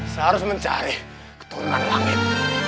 saya harus mencari turunan langit